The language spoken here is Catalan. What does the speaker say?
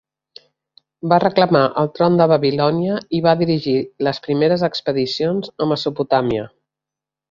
Va reclamar el tron de Babilònia i va dirigir les primeres expedicions a Mesopotàmia.